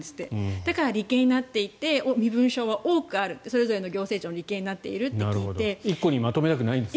だから利権になっていて身分証が多くあるそれぞれの行政庁の利権になっていると聞いていて。